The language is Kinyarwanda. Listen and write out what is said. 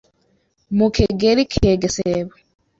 mu Kegeli ke Gesebo.